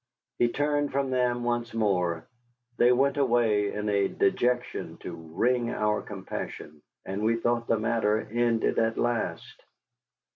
He turned from them once more; they went away in a dejection to wring our compassion, and we thought the matter ended at last.